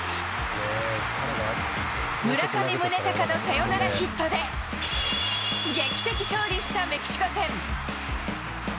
村上宗隆のサヨナラヒットで、劇的勝利したメキシコ戦。